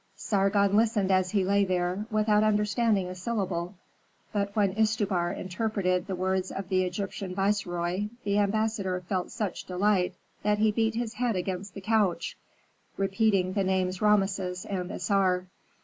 Sargon listened as he lay there, without understanding a syllable. But when Istubar interpreted the words of the Egyptian viceroy, the ambassador felt such delight that he beat his head against the couch, repeating the names Rameses and Assar.